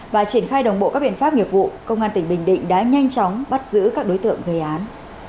và triển khai đồng bộ các biện pháp nghiệp vụ công an tỉnh bình định đã nhanh chóng bắt giữ các đối tượng gây án